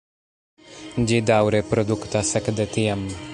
Ĝi daŭre produktas ekde tiam.